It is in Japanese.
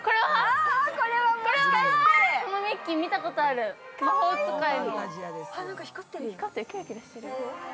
このミッキー見たことある魔法使い！